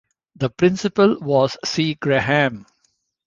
The Principal was C. Graham.